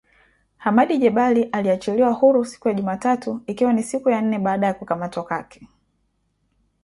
Hamadi Jebali aliachiliwa huru siku ya Jumatatu ikiwa ni siku ya nne baada ya kukamatwa kwake.